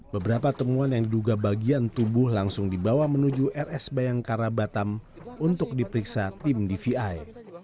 beberapa temuan yang diduga bagian tubuh langsung dibawa menuju rs bayangkara batam untuk diperiksa tim dvi